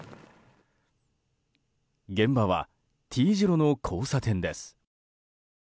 現場はＴ字路の交差点です。